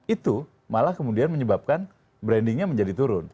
itu malah kemudian menyebabkan brandingnya menjadi turun